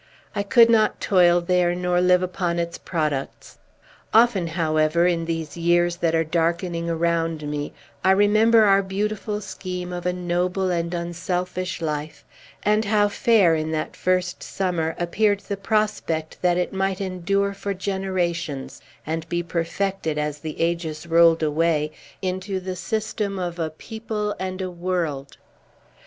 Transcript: I could not toil there, nor live upon its products. Often, however, in these years that are darkening around me, I remember our beautiful scheme of a noble and unselfish life; and how fair, in that first summer, appeared the prospect that it might endure for generations, and be perfected, as the ages rolled away, into the system of a people and a world!